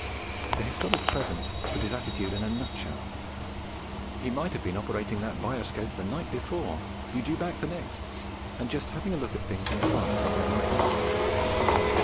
The historic present put his attitude in a nutshell. He might have been operating that bioscope the night before, be due back the next, and just having a look at things in France on his night off.